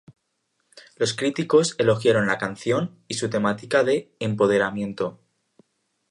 Los críticos elogiaron la canción y su temática de empoderamiento.